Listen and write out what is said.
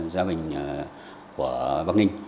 gia bình của bắc ninh